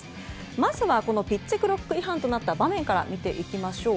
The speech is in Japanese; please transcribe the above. まずはこのピッチクロック違反となった場面から見ていきましょう。